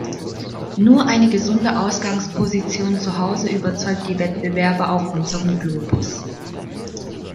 Nur eine gesunde Ausgangsposition zuhause überzeugt die Wettbewerber auf unserem Globus.